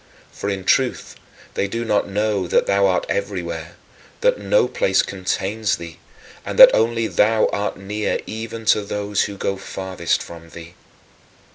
For in truth they do not know that thou art everywhere; that no place contains thee, and that only thou art near even to those who go farthest from thee.